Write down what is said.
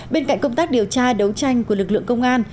bên cạnh công tác điều tra đấu tranh của lực lượng công an